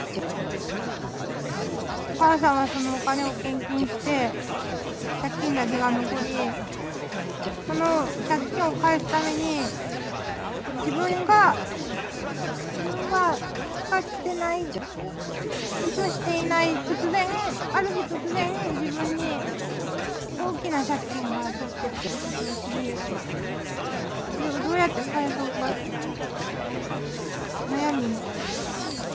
お母さんはそのお金を献金して、借金だけが残り、その借金を返すために、自分が、自分が使ってない、意図していない、突然、ある日突然、自分に大きな借金が出来てたってことを知り、それをどうやって返そうかって悩み。